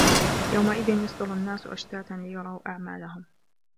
يَومَئِذٍ يَصدُرُ النّاسُ أَشتاتًا لِيُرَوا أَعمالَهُم